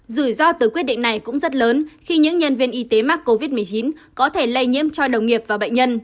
rủi ro từ quyết định này cũng rất lớn khi những nhân viên y tế mắc covid một mươi chín có thể lây nhiễm cho y tế